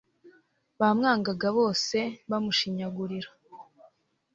bamwanga bose, bamushinyagurira